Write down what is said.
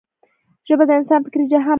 ژبه د انسان فکري جهان پراخوي.